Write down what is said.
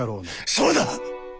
そうだ！